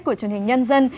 của truyền hình nhân dân